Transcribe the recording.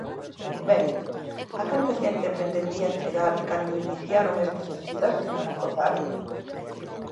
Ben, ¿a canta xente pretendían chegar cando iniciaron estas axudas, señora Cordal?